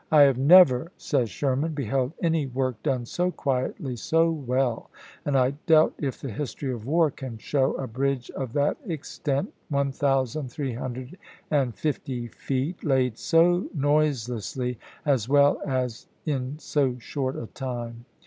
" I have never," says Sherman, "beheld any work done so quietly, so well, and I doubt if the history of war can show a bridge of that extent, 1350 feet, laid so noiselessly and well in so short a time.